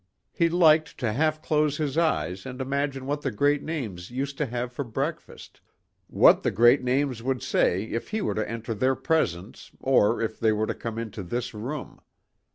He liked to half close his eyes and imagine what the great names used to have for breakfast, what the great names would say if he were to enter their presence or if they were to come into this room.